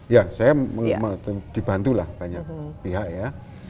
ya saya dibantu lah banyak pihak ya